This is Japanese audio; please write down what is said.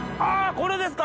これですか！